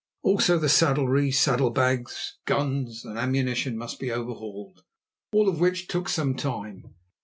Also the saddlery, saddle bags, guns and ammunition must be overhauled, all of which took some time.